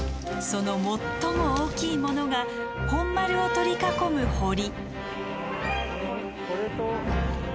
その最も大きいものが本丸を取り囲む堀。